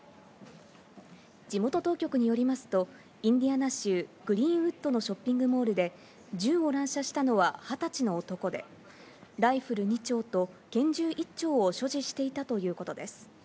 地元当局によりますと、インディアナ州グリーンウッドのショッピングモールで、銃を乱射したのは２０歳の男で、ライフル２丁と拳銃１丁を所持していたということです。